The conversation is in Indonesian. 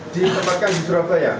ditempatkan di surabaya